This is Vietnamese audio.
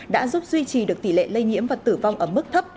đã giúp duy trì được tỷ lệ lây nhiễm và tử vong ở mức thấp